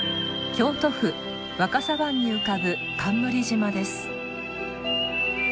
京都府若狭湾に浮かぶ冠島です。